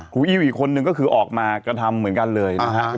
อี้อีกคนนึงก็คือออกมากระทำเหมือนกันเลยนะครับ